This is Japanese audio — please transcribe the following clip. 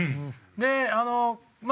であのまあ